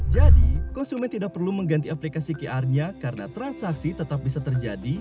jadi konsumen tidak perlu mengganti aplikasi qr nya karena transaksi tetap bisa terjadi